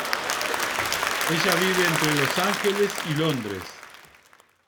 Ella vive entre Los Angeles y Londres.